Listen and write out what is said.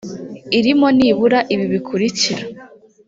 irimo nibura ibi bikurikira